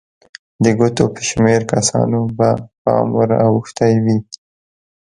د ګوتو په شمېر کسانو به پام ور اوښتی وي.